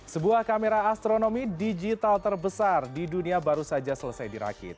sebuah kamera astronomi digital terbesar di dunia baru saja selesai dirakit